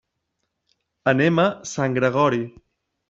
Anem a Sant Gregori.